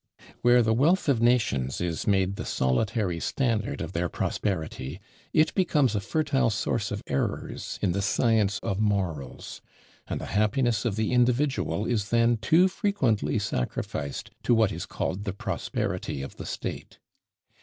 Where "the wealth of nations" is made the solitary standard of their prosperity, it becomes a fertile source of errors in the science of morals; and the happiness of the individual is then too frequently sacrificed to what is called the prosperity of the state.